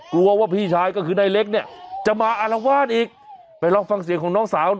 กลัวว่าพี่ชายก็คือนายเล็กเนี่ยจะมาอารวาสอีกไปลองฟังเสียงของน้องสาวหน่อย